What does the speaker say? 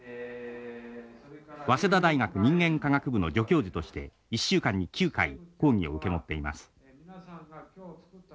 早稲田大学人間科学部の助教授として１週間に９回講義を受け持っています。